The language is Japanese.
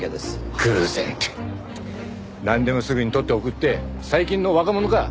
なんでもすぐに撮って送って最近の若者か！